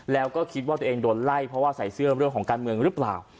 แล้วก็คิดว่าตัวเองโดนไล่เพราะว่าใส่เสื้อเรื่องของการเมืองหรือเปล่า